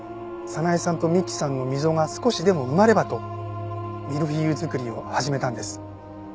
早苗さんと美希さんの溝が少しでも埋まればとミルフィーユ作りを始めたんです。